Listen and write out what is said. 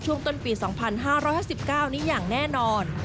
ช่วงต้นปี๒๕๕๙นี้อย่างแน่นอน